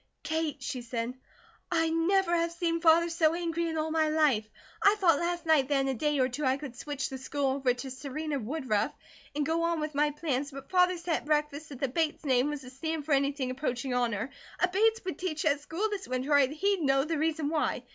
"Kate," she said, "I never have seen Father so angry in all my life. I thought last night that in a day or two I could switch the school over to Serena Woodruff, and go on with my plans, but Father said at breakfast if the Bates name was to stand for anything approaching honour, a Bates would teach that school this winter or he'd know the reason why.